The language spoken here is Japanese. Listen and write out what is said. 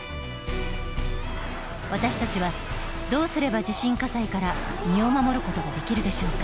私たちはどうすれば地震火災から身を守ることができるでしょうか？